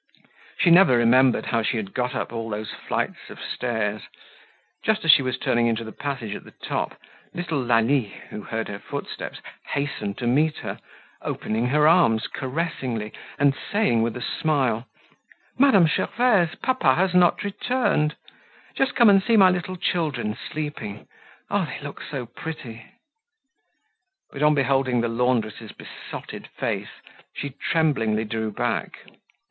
She never remembered how she had got up all those flights of stairs. Just as she was turning into the passage at the top, little Lalie, who heard her footsteps, hastened to meet her, opening her arms caressingly, and saying, with a smile: "Madame Gervaise, papa has not returned. Just come and see my little children sleeping. Oh! they look so pretty!" But on beholding the laundress' besotted face, she tremblingly drew back.